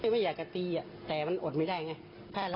ไม่อยากจะตีแต่มันอดไม่ได้ไง